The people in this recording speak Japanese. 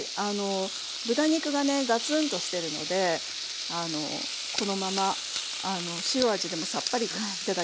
豚肉がねガツンとしてるのでこのまま塩味でもさっぱりと頂けますね。